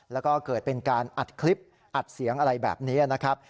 แล้วก็เกิดเป็นการอัดคลิปอัดเสียงอะไรแบบนี้นะครับ